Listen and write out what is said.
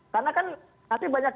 karena kan tadi banyak